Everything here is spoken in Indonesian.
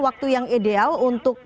waktu yang ideal untuk